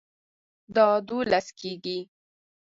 دا دوولس کیږي